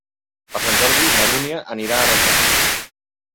Per Sant Jordi na Dúnia anirà a Requena.